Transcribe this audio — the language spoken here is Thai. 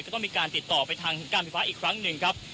ต้องมีการติดต่อไปทางการไฟฟ้าอีกครั้งหนึ่งครับ